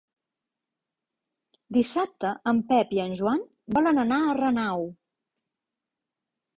Dissabte en Pep i en Joan volen anar a Renau.